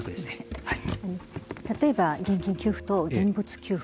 例えば現金給付と現物給付